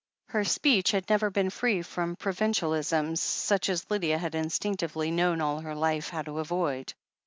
Her speech had never been free from provincialisms such as Lydia had instinctively known all her life how to avoid.